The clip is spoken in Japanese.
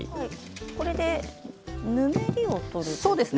これで、ぬめりを取るんですね。